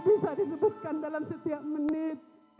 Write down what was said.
bisa disebutkan dalam setiap menit